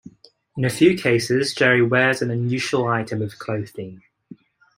In a few cases, Jerry wears an unusual item of clothing.